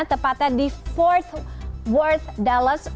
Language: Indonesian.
tepatnya di fort worth dallas